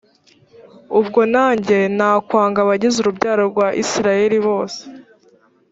ubwo nanjye nakwanga abagize urubyaro rwa isirayeli bose